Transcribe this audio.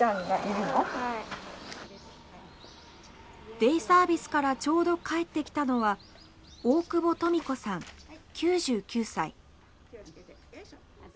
デイサービスからちょうど帰ってきたのは大久保トミ子さん９９歳。